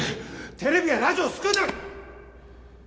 テレビやラジオを救うために！